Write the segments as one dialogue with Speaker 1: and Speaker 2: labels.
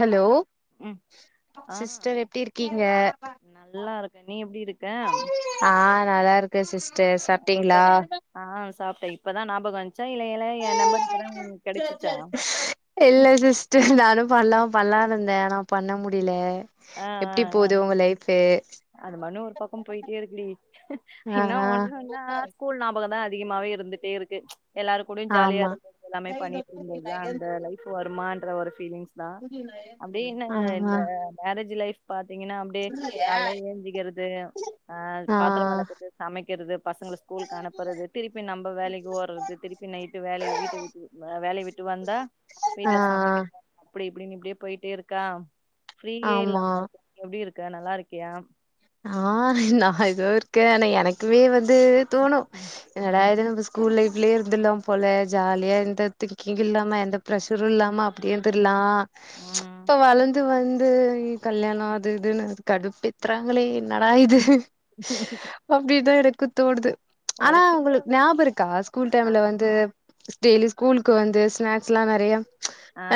Speaker 1: Hello
Speaker 2: ம் ஆ
Speaker 1: sister எப்டி இருக்கீங்க
Speaker 2: நல்லா இருக்கே நீ எப்டி இருக்க
Speaker 1: ஆ நல்லா இருக் க்கே சிஸ்டர் சாப்ட்டீங்களா
Speaker 2: இப்பதான்ஞாபகம் வந்துச்
Speaker 1: இல்ல சிஸ்டர் நானும் பண்லாம் பலான் இருந்தேன் நான் பண்ண முடியல
Speaker 2: அஹ் ஆஹ் ஆஹ் அது மண்ணும் ஒரு பக்கம் போயிட்டே இருக்கலி
Speaker 1: ஆ
Speaker 2: இன்னும்
Speaker 1: ஆ
Speaker 2: ஒண்ணும் என்ன ஸ்கூல் ஞாபகம் தான் வருது அதிகமாவே இருந்துட்டே இருக்கு எல்லாரு கூடயு ஜாலியா
Speaker 1: ஆமா
Speaker 2: இருந்து எல்லாமே பண்ணிட்டு இருந்ததுதா அந்த லைஃப் வருமான்னு அது ஒரு ஃபீலிங்ஸ் தா
Speaker 1: ஆஹ் ஆஹ
Speaker 2: ஃப்தி லைஃப் பாத்தீங்கன்னா அப்டியே காலைல ஏந்திக்கிறது ஆஹ்
Speaker 1: ஆ
Speaker 2: பாத்தரோ வெளக்கறது சமைக்கிறது பசங்கள ஸ்கூலுக்கு அனுப்புறது திருப்பி நம்ப வேலைக்கி ஓடுறது திருப்பி நைட்டு வேலைய வீட்டை விட்டு வேலைய விட்டு வந்தா
Speaker 1: ஆ ஆ
Speaker 2: வீட்ல சமைக்கிறடு [inaudible] இப்டி இப்டினு இப்டியே போயிட்டே இருக்கா ஃப்ரீயே
Speaker 1: ஆமா
Speaker 2: இல்லாம எப்படி இருக் இக்க நல்லா இருக்கியா
Speaker 1: ஆ நான் ஏதோ இருக்கேன் எனக்குவே வந்து து தோணு
Speaker 2: ம்
Speaker 1: என்னடா
Speaker 2: ம்
Speaker 1: இது நம்ப ஸ்கூல் லைஃப் அப்பயே இருந்தலாம் போல ஜாலியா எந்த திங்கிங் இல்லாமா எந்த பிரெசரும் இல்லாம அப்படியே இருந்துரலாம்
Speaker 2: ம்.
Speaker 1: இப்ப வளர்ந்து வந் இது கல்யாண அது இதுன்னு கடுப்பு ஏத்துறாங் நாங்களே நடா இது அப்டிதா இருக் க்குத்தோடுது
Speaker 2: ஒரு
Speaker 1: ஆனா
Speaker 2: ஃப்ரீயா
Speaker 1: உங்களுக்கு ஞாபகம் இருக்கா ஸ்கூல்
Speaker 2: ஆ
Speaker 1: டைம்ல வந்து டெய்லி ஸ்கூலுக்கு வந்து ஸ்நாக்ஸ் எல்லாம் நெறைய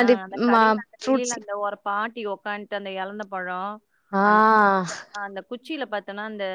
Speaker 1: அண்ட்
Speaker 2: அந்த
Speaker 1: மா
Speaker 2: கடையில அந்த
Speaker 1: ஃப்ரூட்ஸ்
Speaker 2: வெளில அந்த ஒரு பாட் ட்டி உக்காந்துட்டு அந்த இழந்த பழம்
Speaker 1: ஆ
Speaker 2: ஆனா இந்த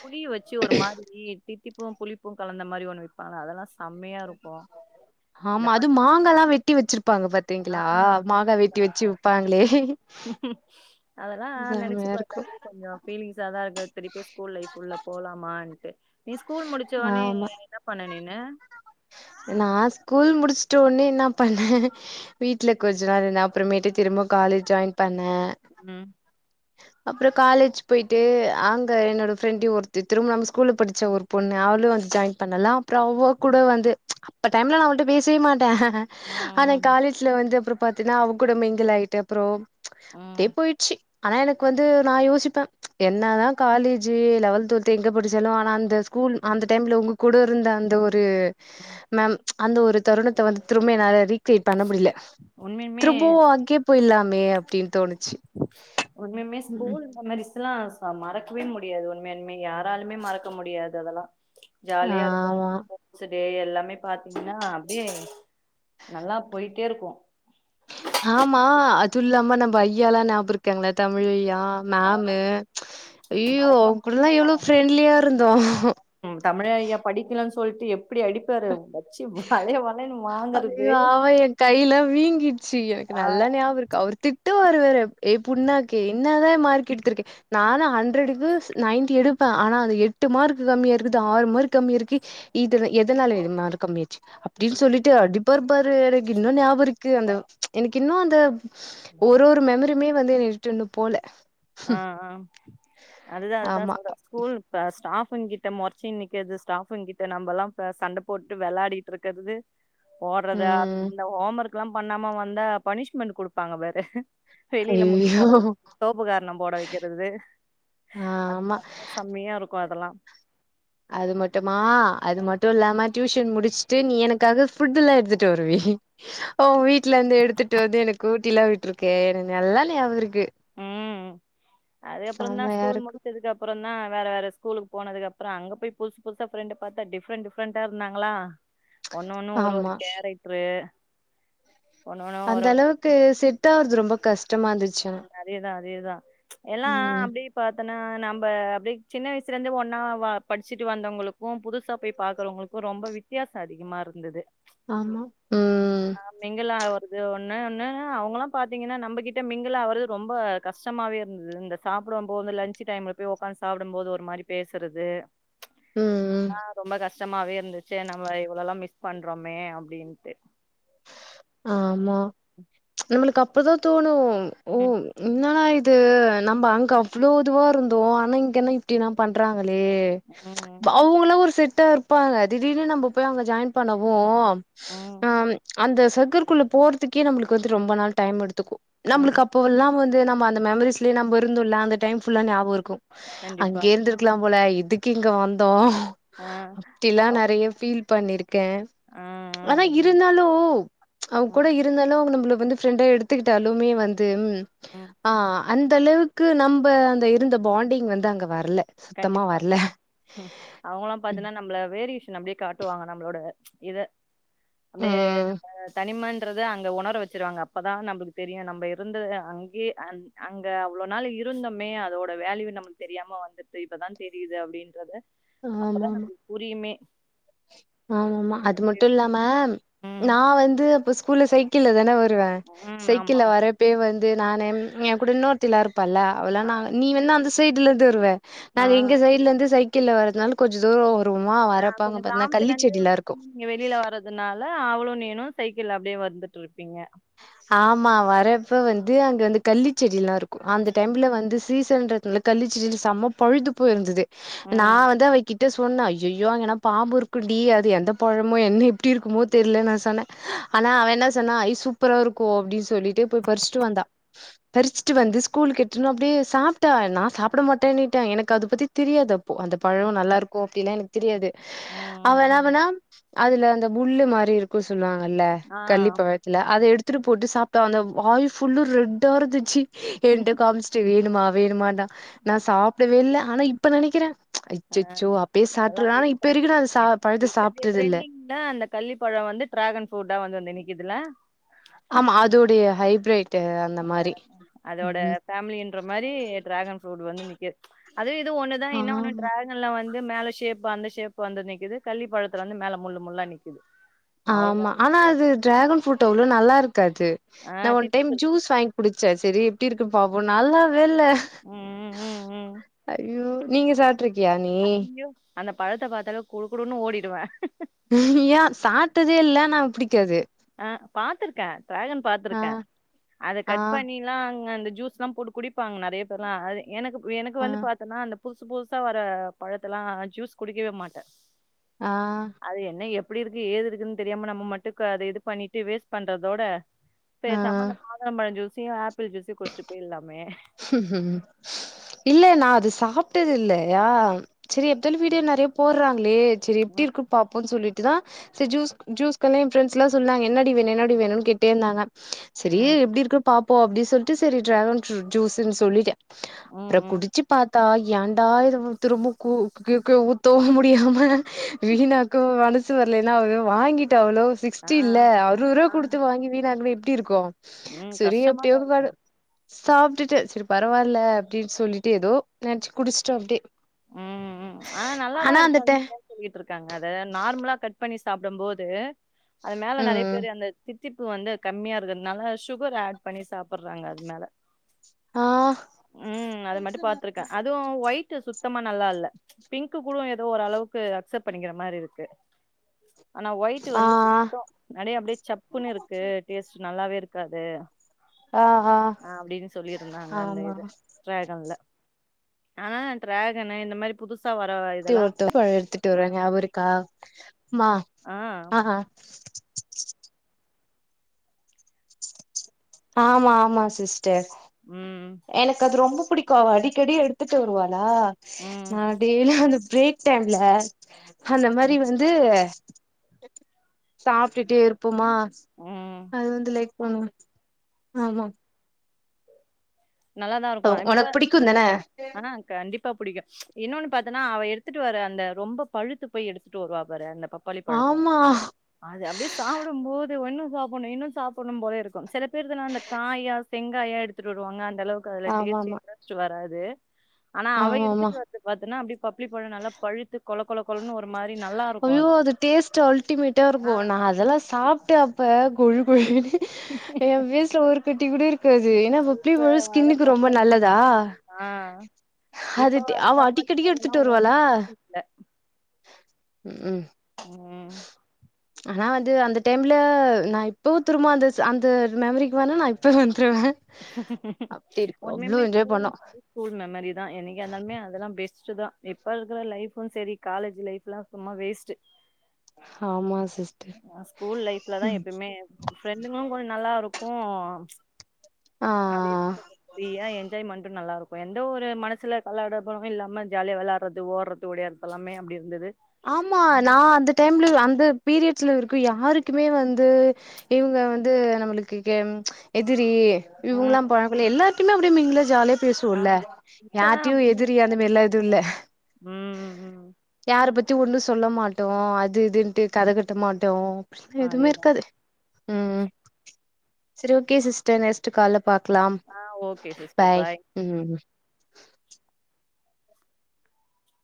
Speaker 2: புளிய வச்சு ஒரு மாரி தித்திப்பும் புளிப்பும் கலந்த மாரி ஒன்னு வைப்பாங்க அதெல்லாம்
Speaker 1: ஆமா அது மாங்கல்லாம் வெட்டி வச்சிருப்பாங்க
Speaker 2: ஆ
Speaker 1: பாத்தீங்களா மாங்கா வெட்டி வச்சு விப்பாங்களே
Speaker 2: அதெல்லா நெனச்சு
Speaker 1: செம்மையா இருக்கும்
Speaker 2: பாத்தாலே கொஞ்சோ [unintelligible] ஸ்கூல் லைப்ல உள்ள போலாமான்ட்டு நீ ஸ்கூல் முடிச்ச உடனே என்ன பண்ண நீனு
Speaker 1: நான ஸ்கூல் முடிச்சுட்ட உடனே என்ன பண்ணேன் வீட்டுல கொஞ்ச நாள் என்ன அப்புறமேட்டு திரும்ப காலேஜ் ஜாயின் பண்ண
Speaker 2: ம்
Speaker 1: அப்றோ காலேஜ் போயிட்டு அங்க என்னோட ப்ரெண்டு ஒருத்தி திரும்ப நம்ம ஸ்கூல்ல படிச்ச ஒரு பொண்ணு அவளு வந்து ஜாயின் பண்ணாளா அப்றோ அவ கூட வந்து அப்ப டைம்ல நா அவகிட்ட பேசவே மாட்டே ஆனா
Speaker 2: ம்
Speaker 1: காலேஜ்ல வந்து அப்பறம் பாத்தீங்கனா அவங்க கூட மிங்கிள் ஆகிட்டு அப்பறம்
Speaker 2: ம்
Speaker 1: அப்டியே போயிட்ச்சு ஆனா எனக்கு வந்து நா யோசிப்பே என்னதா காலேஜு லெவல்த் டுவல்த் எங்க படிச்சாலு ஆனா அந்த ஸ்கூல் அந்த டைம்ல உங்க கூட இருந்த அந்த ஒரு
Speaker 2: ம்
Speaker 1: ஒரு மேம் அந்த ஒரு தருணத்த வந்து திரும்ப நெறைய ரீக்ரெட் பண்ண முடியல
Speaker 2: உண்மையுமே
Speaker 1: திரும்பவும் அங்கே உப்பு இல்லாமே அப்டின்ட்டு தோணிச்சு
Speaker 2: உண்மயுமே ஸ்கூல் மெமரிசலாம் ஆஹ மறக்கவே முடியாது உண்மயுமே யாராலுமே மறக்க முடியாது அதெல்லாம் ஜாலியா
Speaker 1: ஆமா
Speaker 2: இருக்கும் எல்லாமே பாத்தீங்கன்னா அப்டியே நல்லா போயிட்டே இருக்கும்
Speaker 1: துள்ளாம நம்ப ஐயால்லா ஞாபகோ இருக்காங்களா தமிழ் ஐயா
Speaker 2: ஆ
Speaker 1: மேமு ஐயோ
Speaker 2: மறக்க
Speaker 1: அவங்க கூடலாம் எவ்வளவு ப்ரெண்ட்லியா இருந்தோம்
Speaker 2: சொல்லிட்டு எப்டி அடிப்பாரு வச்சு வளைய வளையன்னு
Speaker 1: அ
Speaker 2: வாங்கறது
Speaker 1: ஆ என் கையெல்லாம் வீங்கிடுச்சு எனக்கு
Speaker 2: ஆ
Speaker 1: நல்லா ஞாபகம் இருக்கு அவர் டு வருவாரு எ புனாக்கே என்னதா மார்க் எடுத்திருக்கே நானு ஹண்ட்ரடுக்கு நைன்டி எடுப்பே ஆனா அது எட்டு மார்க் கம்மியா இருக்குது ஆறு மார்க் கம்மியா இருக்கு இதல எதனால இ மார்க் கம்மியாச்சி அப்டின்னு சொல்லிட்டு அடிப் பாரு எனக்கு இன்னு ஞாபருக்கு அந்த எனக்கு இன்னு அந்த ஒரு-ஒரு மெமரயுமே வந்து விட்டு இன்னு போல
Speaker 2: ஆஹ் ஆஹ் அதுதா-அதுதா
Speaker 1: ஆமா.
Speaker 2: சொல்றேன் ஸ்கூல் ஸ்டாப் தூண் கிட்ட முறச்சி நிக்கிறது ஸ்டாப்ங்கிட்ட நம்மலா சண்ட போட்டு விளையாடிட்டு இருக்கிறது ஓட்றது ஆட்றது
Speaker 1: ம்.
Speaker 2: இந்த ஹோம்வொர்க் ல்லாம் பண்ணாம வந்தா பனிஷ்மெண்ட் கொடுப்பாங்க பாரு
Speaker 1: ஐயையோ
Speaker 2: கர்ணம் போட வெக்கிறது
Speaker 1: ஆமா.
Speaker 2: [inaudible] செம்மையா இருக் கு அதலா
Speaker 1: அது மட்டுமா அது மட்டு இல்லாம டியூஷன் முடிச்சுட்டு நீ எனக்காக ஃபுட்டுல்லா எடுத்துட்டு வருவியே உ வீட்டு்ல இருந்து எடுத்துட்டு வந்து எனக்கு ஊட்டிலா விட்டு இருக்கே எனக் நல்லா ஞாபருக்கு
Speaker 2: உம் அதுக்கப்புறோ தான்
Speaker 1: செம்மையா
Speaker 2: ஸ்கூல்
Speaker 1: இருக்கு
Speaker 2: முடிச்சதுக்கு அப்புறோ தா வேற வேற ஸ்கூலுக்கு போனதுக்குப்புறோ அங்க போய் புதுசு-புதுசா ஃப்ரெண்ட் பாத்தா டிஃப்ரெண்ட் டிஃப்ரெண்டா இருந்தாங்களா ஒன்னொன்னு ஒரு-ஒரு
Speaker 1: ஆமா
Speaker 2: கேரட்ரு
Speaker 1: அந்த அளவுக்கு செ ட்டாவறது ரொம்ப கஷ்டமா இருந்துச்சா
Speaker 2: அதேதா அதேதா எல்லா அப்டியே பா இப்பனா நம்ம அப்டியே சின்ன வயசுல இருந்து ஒன்னா படிச்சுட்டு வந்தவங்களுக்கு புதுசா போய் பாக்குறவங்களுக்கும் ரொம்ப வித்தியாசம் அதிகமா இருந்தது
Speaker 1: ஆமா ம்
Speaker 2: இது ஒன்னு ஒன்னு அவுங்கலா பார்த்தீங்கன்னா நம்மகிட்ட மிங்கல் ஆவறது ரொம்ப கஷ்டமாவே இருந்தது இந்த சாப்பிட போது லஞ்ச் டைம்ல போய் உக்காந்து சாப்பிடும் போது ஒரு மாரி பேசுறது
Speaker 1: ம் ம்
Speaker 2: ஆஹ் ரொம்ப கஷ் ஷ்டாமாவே இருந்துச்சு நம்ம இவ்ளோலா மிஸ் பண்றோமே அப்டின்ட்டு
Speaker 1: ஆமா நம்மளுக்கு அப்போதா தோணு ஓ
Speaker 2: ம்
Speaker 1: இன்னா இது நம்ம அங்க அவ்ளோ இதுவா இருந்தோ ஆனா இங்க என்ன இப்டிலா பண்றாங்க ளே
Speaker 2: ம்
Speaker 1: அவுங்களா ஒரு செட் ட்டா இருப்பாங்க திடீர்னு நம்ம போய் அங்க ஜாயின் பண்ணவோ
Speaker 2: ம்
Speaker 1: ஆம் அந்த ச சங்கக்குள்ள போகறிறதுக்கே நம்மளுக்கு வந்து ரொம்ப நாள் டைம் எடுத்துக்கும் நம்மளுக்கு
Speaker 2: ம்
Speaker 1: அப்ப எல்லாம் வந்து நம்ம அந்த மெமரிஸ்லே நம இருந்த அந்த டைம்ல்லா ஞாபம் இருக்கும்
Speaker 2: கண்டிப்பா
Speaker 1: அங்கே இருந்திருக்கலாம் போல இதுக்கு இங்க வந்தோம்
Speaker 2: ஆ
Speaker 1: அப்டிலாம் நெறைய பீல் பண்ணிருக்கு
Speaker 2: ஆ ஆ
Speaker 1: இருக்கேன் அதான் இருந்தாலும் அவ
Speaker 2: ஆ,
Speaker 1: கூட
Speaker 2: ம்
Speaker 1: இருந்தாலும் நம்மளு வந்து பிரரெண்டா எடுத்துக்கிட்டாலுமே வந்து இருந்துட்டு
Speaker 2: ம்
Speaker 1: ஆஹ் அந்த அளவுக்கு நம்ம அந்த இருந்த பாண்டிங் வந்து அங்கே வரல சுத்தமா
Speaker 2: கண்டிப்பா
Speaker 1: வரல
Speaker 2: அவங்கல்லாம்
Speaker 1: ம்
Speaker 2: பாத்தீன்னா நம்மள வேறுஸ் அப்டியே காட்டுவாங்க நம்மளோட இத அப்டியே
Speaker 1: ம்.
Speaker 2: நம்ம தனிமன் அங்க உணர வச்சிருவாங்க அப்தான் நமக்கு தெரியும் நம்ப அங்க அங்க அவ்ளவு நாள் இருந்தமே அதோட வேல்யூ நமக்கு தெரியாம வந்து இப்பதான் தெரியுது அப்டின்றது அப்தான் நம்ம புரியுமே
Speaker 1: ஆமா ஆமா அது மட்டும் இல்லாம
Speaker 2: ம்
Speaker 1: நான் வந்துப்ப ஸ்கூல்ல சைக்கிள்ல தானே வேன்
Speaker 2: ம் ஆமா
Speaker 1: சைக்கிள் வரப்பே வந்து நானே என் கூட நோர்த்தி இருக்கும் ப்பல்ல அவல்லாம் நா நீ வேன்னா அந்த சைட்ல இருந்து வருவேன்
Speaker 2: ஆமா ஆ
Speaker 1: நான் எங்க சைட்ல இருந்து சைக்க சைகிள்ள வறதுனால கொஞ்ச தூரம் உமா வரப்போ
Speaker 2: கொஞ்சம் கிராமத்துல இருந்து வெளியில வர்றதுனால அவளும் நீ சைக்கிள் அப்படியே வந்துட்டு இருப்பீங்க
Speaker 1: ஆமா வரப்ப வந்து அங்க வந்து கல்லி செடி எல்லாம் இருக்கும் அந்த டைம்ல வந்து சீசன்ன்றதுல கல்லிச்சடியில செம்ம பழுத்து போயிருந்தது
Speaker 2: ம்
Speaker 1: நான் வந்து அவகிட்ட சொன்ன ஐயோ அங்கன்னா பாம்பு இருக்குண்டடி அது எந்த பழமோ என்ன எப்படி இருக்குமோ தெரியல நான் சொன்னேன் ஆனா அவன் என்ன சொன்ன ஐசு அப்பு இருக்கும் அப்படின்னு சொல்லிட்டு போய் பறிச்சுட்டு வந்தா பறிச்சுட்டு வந்து ஸ்கூலு கட்டும் அப்படியே சாப்பிட்டா நான் சாப்பிட மாட்டேனுட்டேன் எனக்கு அத பத்தி தெரியாது அந்த
Speaker 2: ம்
Speaker 1: பழம் நல்லா இருக்கும் லாம் எனக்கு தெரியாது
Speaker 2: ம்
Speaker 1: அவ என்ன
Speaker 2: ம் ம்
Speaker 1: வேண்ணா அதுல அந்த புல்லுமாதிரி இருக்கும் சொல்லுவாங்கல்ல
Speaker 2: ஆ
Speaker 1: கல்லி பழத்துல அதை எடுத்துட்டு போட்டு சாப்பிட்டா அந்த வாய ஃபுல்லு ரெட்டா இருந்துச்சு என்ட்டு காமிச்சிட்டே வேணுமா வேணமாட்டான் நான் சாப்பிடவே இல் ஆனா இப்ப நினைக்கிறேன்
Speaker 2: ஆஹ் அதாம்இப்ப பண்ற
Speaker 1: வரைக்கு நா அது சா பழத்த
Speaker 2: இப்பைய
Speaker 1: சாப்ட்டது இல்ல
Speaker 2: டரெண்டிங் தா அந்த கள்ளிப்பழம் வந்து டிராகன் ஃப்ரூட தா வந்து நினை இதுல
Speaker 1: ஆமா அதோடைய ஹைபிரட்
Speaker 2: ஹ அதோட ஃபேமிலின்ற மாதிரி டிராகன் ஃப்ரூட் வந்து நிக்குது அதுவும் இது ஒண்ணுதான் என்ன ஒண்ணும்
Speaker 1: ஆமா
Speaker 2: டிராகன் வந்து ந்து மேல ஷேப் அந்த ஷேப் வந்து நிக்குது கள்ளி பழத்துல வந்து மேல முள்ளு முல்லா நிக்குது
Speaker 1: ஆமா
Speaker 2: அவ்வளோதான்
Speaker 1: ஆனா
Speaker 2: வித்தியாசம்.
Speaker 1: அது ட்ராகன் ஃரூட் வ்ள நல்லா இருக்கு
Speaker 2: ஆ
Speaker 1: [inaudible] நான் ஒன் டைம்
Speaker 2: தித்திப்பு இருக்கு.
Speaker 1: ஜூஸ் வாங்கி குடிச்சேன் சரி ட்ட இருக்கு பாோம் நல்லா ல்ல
Speaker 2: ம், ம், ம், ம்.
Speaker 1: அஐயோ நீங்க ச போட் இருக்கியா நீ
Speaker 2: ஐயோ! அந்த பழத்தை பார்த்தால கொடுக்கடுணும்ன்னனு ஓடிடுவேன்
Speaker 1: ஏன் சாட்டதே இல்ல நான் பிடிக்காது
Speaker 2: ஆஹ் பாத்துிருக்கேன் டாகன்
Speaker 1: ஆ
Speaker 2: பாத்துருக்கேன் அதை
Speaker 1: ஆ
Speaker 2: கட் பண்ணிலாம் அங்க ஜூஸ் எல்லாம் போட்டு குடிப்பாங்க நிறைய பேர்லாம்து எனக்கு எனக்கு
Speaker 1: ஆ
Speaker 2: வந்து பாாரத்தேன்னா அந்த புதுசு புதுசா வர பழத்தல்லாம் ஜூஸ் குடிக்கவே மாட்டேன்
Speaker 1: ஆஹ்
Speaker 2: அப்படி இருக்கு ஏது இருக்குன்னு தெரியாம நம்ம மட்டும் அது பண்ணிட்டு வேஸ்ட் பண்றதோட பே
Speaker 1: ஆ
Speaker 2: சமந்த மாாதம்பழம் ஜூஸ் ச ஆ ப்பள் ஜசி கொஷிடட்டு போய் இல்லாமே
Speaker 1: உம் உம் இல்ல நான் அது சாப்புட்டது இல்லையா செரி எத்தன வீடியோ நெறைய போடுறாங்களே செரி எப்டி
Speaker 2: ம்
Speaker 1: இருக்குன்னு பாப்போன்னு சொல்லி ட்டுதா சரி ஜூஸ் ஜூஸ் [unintelligible] என் ஃப்ரெண்ட்ஸல்லா சொன்னாங்க என்னடி வேணு என்னடி வேணும்ன்னு கேட்டுட்டே இருந்தாங்க செரி
Speaker 2: ம்
Speaker 1: எப்படி இருக்கு பா போ அப்டி சொல்ட்டு செரி டிராகன் [unintelligible] ஜூஸுன்னு சொல்லிட்டு
Speaker 2: ம்
Speaker 1: அப்றோ
Speaker 2: ம்
Speaker 1: குடிச்சு பாத் த்தா ஏண்டா இது திரும்ப கூ கு கு ஊத்தவு முடியாம வீணாக்கவு [unintelligible] [unintelligible] வரலைன்னா அதுவ வாங்கிட் அவ்வளோ
Speaker 2: ஆ
Speaker 1: சிக்ஸ்டி இல்ல அறுவ ரூவா குடுத்து வாங்கி வீணாங்களே ட்டி இருக்கு
Speaker 2: உம் கஷ்டமாதா இருக்கு
Speaker 1: சப் ட்டுட்ட செரி பரவால்ல அப்டின்னு சொல்லிட்டு ஏதோ நெனைச்சு குடிச்சுட்டே அப்டியே
Speaker 2: உம் உம் ஆனா நல்லாதா
Speaker 1: அந்த ட
Speaker 2: இருக்குன்னு [unintelligible] சொல்லிட்டு இருக்காங்க அத நார்மலா கட் பண்ணி சாப்டும்போது அது மேல நெறைய
Speaker 1: ம்
Speaker 2: பேரு அந்த திட் திப்பு வந்து கம்மிய இருக்கறதுனால சுகர் ஆட் பண்ணி சாப்புட த்தர்றாங்க அதனால
Speaker 1: ஆ
Speaker 2: ம் அது மட்டு பாத்திருக்கே அதுவு ஒயிட் சுத் த்தமா நல்லா இல்ல பிங்க்கு கூட ஏதோ ஒரு அளவுக்கு அக்செப்ட் பண்ணிக்கிற மாரி இருக்கு ஆனா ஒயிட்டு்
Speaker 1: ஆ
Speaker 2: வந்து சுத்தோ [unintelligible] அப்டியே சப்புன்னு இருக்கு டேஸ்ட் நல்லாவே இருக் க்காது
Speaker 1: ஆ ஆ
Speaker 2: ஆஹ் அப்புடின்னு சொல்லியிருந்தாங்க அந்த
Speaker 1: ஆமா
Speaker 2: இது டிராகன்ல ஆஹ் டிராகனு இந்த மாரி புதுசு
Speaker 1: தர்த்தி பழைய எடுத்துட்டு வருவாங்க நியாபகம் இருக்கா மா
Speaker 2: ஆ.
Speaker 1: ஆஹ்ஹ [inaudible] ஆமா ஆமா சிஸ்டர்
Speaker 2: ம்.
Speaker 1: எனக்கு அது ரொம்ப புடிக்கும் அடிக்கடி எடுத்துட்டு வருவாரு ன்னா
Speaker 2: ம்.
Speaker 1: நா டெய்லி வந்து பிரேக் டைம்ல அந்த மாரி
Speaker 2: ம்.
Speaker 1: வந்து சாப்ட்டுட்டே இருப் ப்பமா
Speaker 2: ம்.
Speaker 1: அது வந்து லைக் போணு ஆமா
Speaker 2: நல்லாதா இருக்கு இப்ப
Speaker 1: உனக்கு பிடிக்கும் தான
Speaker 2: ஆஹ்ஹா கண்டிப் ம்ப புடிக்கு இன்னொன்னு பாத்தன்னா அவ எடுத்துட்டு வர அந்த ரொம்ப பழுத்து போய் எடுத்துட்டு வருவா பாரு அந்த பப்பாளி பழத்த
Speaker 1: ஆமா
Speaker 2: அது அப்டியே சாப்டும்போது ஒன்னும் சாப்பிடும் இன்னும் சாப்பிடும் போல இருக்கும் சில பேர் அந்த காயா செங்காயா எடுத்துட்டு வருவாங்க அந்த அந்த அளவுக்கு அதுல
Speaker 1: ஆமா
Speaker 2: டேஸ்ட்
Speaker 1: ஆமா
Speaker 2: [unintelligible] வராதுல்ல தே ஆனா அவ
Speaker 1: ஆமா ஆமா
Speaker 2: எடுத்துட்டு வரது பாத்தன்னா அப்டியே பப்ளி பழோ நல்லா பழுத்து கொழக்கொழக்
Speaker 1: ஐயோ அது டேஸ்ட் அல்டிமேட்டா
Speaker 2: ஆ
Speaker 1: இருக்கு நா
Speaker 2: அது
Speaker 1: அதெல்லா சாப்பிட்டே அப்ப கொழு கொழனு எ பேஸ்ல ஒரு கட்டி கூட இருக்காது [unintelligible] ஏன்னா பப்ளி
Speaker 2: இப்ப
Speaker 1: பழோ
Speaker 2: வர
Speaker 1: ஸ்கின்னுக்கு
Speaker 2: பப்ப
Speaker 1: ரொம்ப நல்லதா
Speaker 2: ஆ இப்ப
Speaker 1: அது ட்டி
Speaker 2: வர
Speaker 1: அவ
Speaker 2: பப்பாளி
Speaker 1: அடிக்கடிக்கு
Speaker 2: பழோலா
Speaker 1: எடுத்துட்டு
Speaker 2: ஒன்னு
Speaker 1: வருவாளா
Speaker 2: இல்ல
Speaker 1: ம் ம்
Speaker 2: ம்
Speaker 1: ஆனா வந்து அந்த டைம்ல நான் இப்போவும் திரும்ப அந்த அந்த மெமரிக்கு வேண நான் இப்ப வந்து அவ்ளோ
Speaker 2: ஒன்னுமே
Speaker 1: என்ஜாய்
Speaker 2: ஸ்கூல்
Speaker 1: பண்ணோ
Speaker 2: [unintelligible] ஸ்கூல் மெமரிதா என்னைக்கா இருந்தாலுமே அதெல்லா பெஸ் ஸ்ட்டுதா இப்ப இருக்கற லைஃபு சரி காலேஜ் லைஃப்லா சும்மா வேஸ்ட்
Speaker 1: ஆமாஸ்
Speaker 2: ஹ ஸ்கூல் லைஃப்லதான் எப்பயுமே ஃப்ரெண்டுங்களும் கொஞ்சம் நல்லா இருக்கு ஓ
Speaker 1: ஆ
Speaker 2: அது [unintelligible] ஏன் என்ஜாய்மெண்டு நல்லா இருக்கு இப்ப எந்த ஒரு மனசுல கள்ள கடபமு இல்லாம ஜாலியா வெளையாட்றது ஓடுறது ஓடியாறது எல்லாமே அப்டி இருந்தது
Speaker 1: ஆமா நான் அந்த டைம்ல அந்த பீரியட் ச்சலா இருக்கு யாருக்குமே வந்து இவங்க வந்து நம்மளுக்கு [unintelligible] இத் ந்திரி
Speaker 2: ம்
Speaker 1: இவங்களா பழகக்குள்ள எல்லாத் அப்படி னா அப்டியேமீங்குலா ஜாலி
Speaker 2: ஆ
Speaker 1: பேசுவோல்ல
Speaker 2: இப்பதா
Speaker 1: யார்ட்டயு
Speaker 2: அப்டியே
Speaker 1: எதிரி அந்த மாரிலா எதுவு இல்ல
Speaker 2: ம் ம்
Speaker 1: யார பத் ஒண்ணு சொல்ல மாட்டோம் அது இதுன்டு கதை கட்ட மாட்டோம் எதுமே
Speaker 2: அதேதா
Speaker 1: இருக்காது உம் செரி ஓகே சிஸ்டர் நெக்ஸ்ட் கால்ல பாக்கலாம்
Speaker 2: ஆ ஓகே சிஸ்டர்
Speaker 1: பாய் உம்